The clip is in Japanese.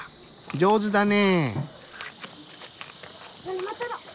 上手だね。